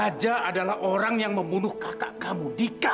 raja adalah orang yang membunuh kakak kamu dika